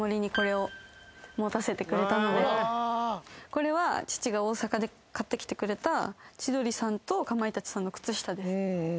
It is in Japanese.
これは父が大阪で買ってきてくれた千鳥さんとかまいたちさんの靴下です。